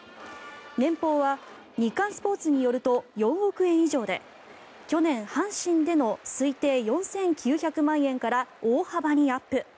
年俸は日刊スポーツによると４億円以上で去年、阪神での推定４９００万円から大幅にアップ。